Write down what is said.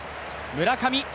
村上。